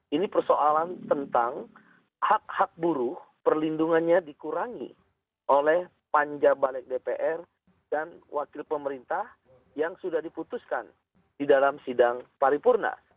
ini persoalan tentang hak hak buruh perlindungannya dikurangi oleh panja balik dpr dan wakil pemerintah yang sudah diputuskan di dalam sidang paripurna